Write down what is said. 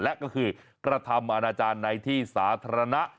และก็คือกระทำอาณาจารย์ในที่สาธารณะ